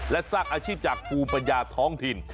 และสร้างอาชีพจากภูมิปัญญาท้องถิ่น